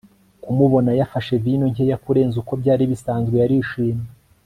kumubona, yafashe vino nkeya kurenza uko byari bisanzwe. yarishimye